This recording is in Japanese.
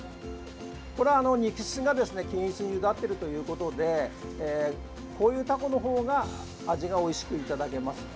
これは肉質が均一にゆだっているということでこういうタコの方が味がおいしくいただけます。